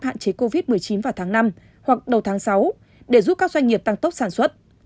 hạn chế covid một mươi chín vào tháng năm hoặc đầu tháng sáu để giúp các doanh nghiệp tăng tốc sản xuất